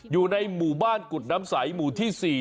อยู่ในหมู่บ้านกุฎน้ำใสหมู่ที่๔